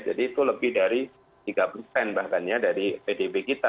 jadi itu lebih dari tiga bahkan ya dari pdb kita